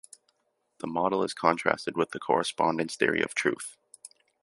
The model is contrasted with the correspondence theory of truth.